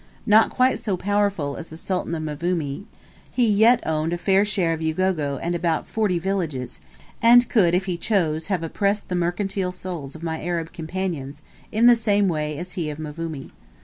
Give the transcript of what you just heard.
Not quite so powerful as the Sultan of Mvumi, he yet owned a fair share of Ugogo and about forty villages, and could, if he chose, have oppressed the mercantile souls of my Arab companions, in the same way as he of Mvumi.